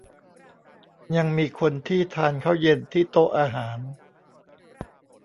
ยังมีคนที่ทานข้าวเย็นที่โต๊ะอาหาร